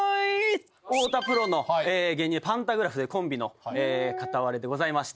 太田プロの芸人でパンタグラフでコンビの片われでございまして。